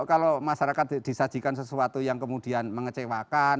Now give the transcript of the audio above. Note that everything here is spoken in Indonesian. kalau masyarakat disajikan sesuatu yang kemudian mengecewakan